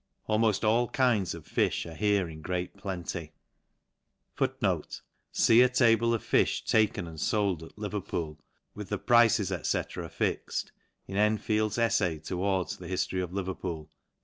Almoft all kinds of fifh are here in great plenty *.* See a table of fifh taken and fold at Leverpcol, with the prices, Sec, affixed, in Enfold^ EJfay towards the Hijiory of Leverpuot, p.